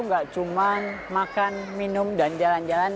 nggak cuma makan minum dan jalan jalan